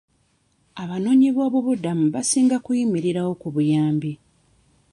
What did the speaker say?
Abanoonyiboobubudamu basinga kuyimirirawo ku buyambi.